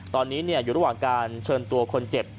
ตอนนี้อยู่ระหว่างการเชิญตัวคนเจ็บ